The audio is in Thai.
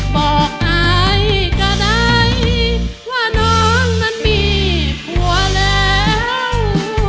บอกอายก็ได้ว่าน้องนั้นมีผัวแล้ว